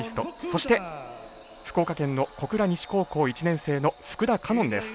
そして、福岡県の小倉西高校１年生の福田果音です。